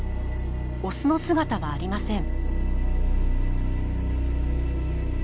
オスの姿はありません。